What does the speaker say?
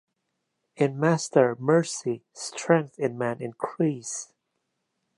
In master mercy, strength in man increase!